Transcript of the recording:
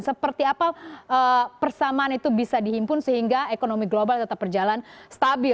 seperti apa persamaan itu bisa dihimpun sehingga ekonomi global tetap berjalan stabil